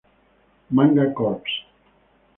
Manga Corps.